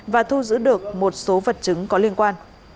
và thu giữ được một số vật chứng có liên quan